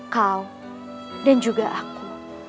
kau dan juga aku